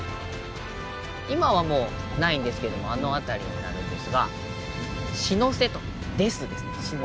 今はもうないんですけれどもあの辺りになるんですが「死の瀬」とｄｅａｔｈですね死の。